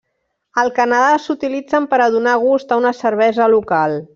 Al Canadà s'utilitzen per a donar gust a una cervesa local.